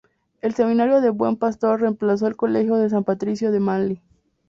El Seminario del Buen Pastor reemplazó al Colegio de San Patricio, de Manly.